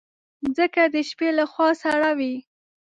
مځکه د شپې له خوا سړه وي.